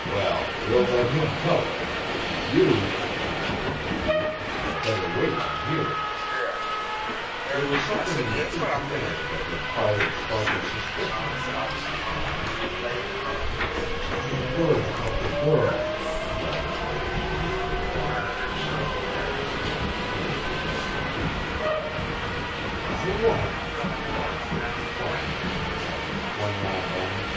"Well, we'll let him tell it then, and you" indicating the thief "had better wait and hear it." There was something in the thief's manner that had fired a spark of suspicion in the officer's mind. "Not a word about the girl," Travers managed to whisper to Barnes in the moment Captain Stone had turned to address the thief. "I won't" Barnes was replying when the Captain flung round on him.